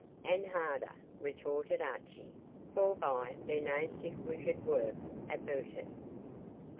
"An' harder," retorted Archie, "forbye there's nae sic wicked wark aboot it."